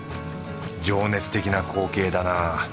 情熱的な光景だな。